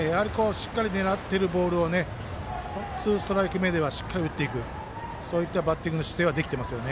しっかり狙っているボールをツーストライク目ではしっかり打っていくというバッティングの姿勢はできていますよね。